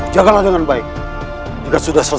jangan lupa untuk berikan dukungan di kolom komentar